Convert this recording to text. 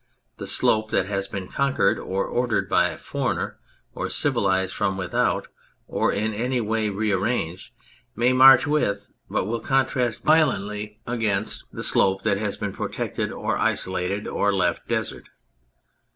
The slope that has been conquered or ordered by the foreigner, or civilised from without, or in any way rearranged, may march with, but will contrast violently against, 77 On Anything the slope that has been protected or isolated or left desert.